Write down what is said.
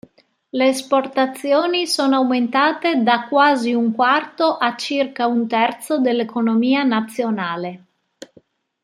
Le esportazioni sono aumentate da quasi un quarto a circa un terzo dell'economia nazionale.